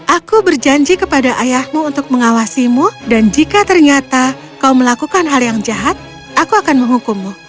aku berjanji kepada ayahmu untuk mengawasimu dan jika ternyata kau melakukan hal yang jahat aku akan menghukummu